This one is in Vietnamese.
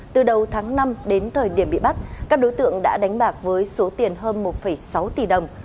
từ đầu tháng năm đến thời điểm bị bắt các đối tượng đã đánh bạc với số tiền hơn một sáu tỷ đồng